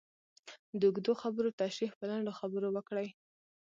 د اوږدو خبرو تشرېح په لنډو خبرو وکړئ.